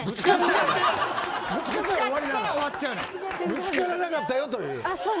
・ぶつからなかったよという。